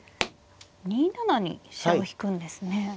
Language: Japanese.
２七に飛車を引くんですね。